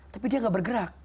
tapi dia gak bergerak